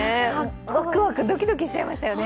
ワクワク、ドキドキしちゃいましたよね。